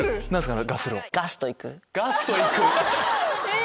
え！